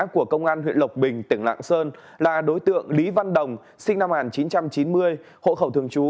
của công an huyện lộc bình tỉnh lạng sơn là đối tượng lý văn đồng sinh năm một nghìn chín trăm chín mươi hộ khẩu thường trú